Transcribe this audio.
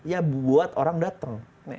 ya buat orang datang